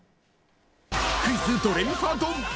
「クイズ！ドレミファドン！」。